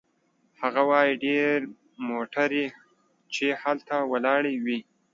هغه وايي: "ډېرې موټرې چې هلته ولاړې وې